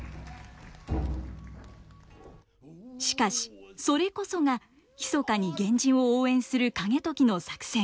しかしそれこそが密かに源氏を応援する景時の作戦。